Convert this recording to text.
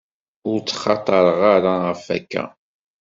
Ur ttxaṭareɣ ara ɣef akka.